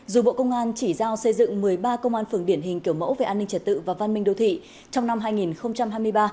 dù bộ công an chỉ giao xây dựng một mươi ba công an phường điển hình kiểu mẫu về an ninh trật tự và văn minh đô thị trong năm hai nghìn hai mươi ba